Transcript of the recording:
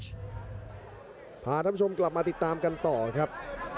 พาท่านผู้ชมกลับมาติดตามกันต่อครับ